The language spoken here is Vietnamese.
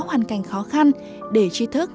hoàn cảnh khó khăn để tri thức